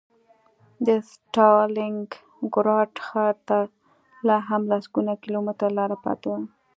د ستالینګراډ ښار ته لا هم لسګونه کیلومتره لاره پاتې وه